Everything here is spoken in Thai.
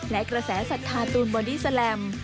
และกระแสสัตว์ธาตูนบอดี้สแลม